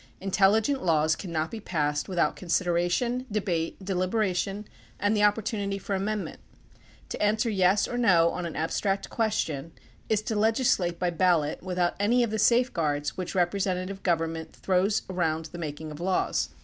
Intelligent laws cannot be passed without consideration, debate, deliberation, and the opportunity for amendment. To answer "yes" or "no" on an abstract question is to legislate by ballot without any of the safeguards which represent ative government throws around the making of laws.